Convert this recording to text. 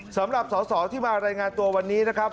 สำหรับสอสอที่มารายงานตัววันนี้นะครับ